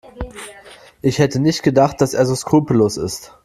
Ich hätte nicht gedacht, dass er so skrupellos ist.